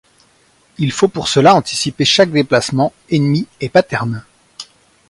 Il faut pour cela anticiper chaque déplacement, ennemi et pattern.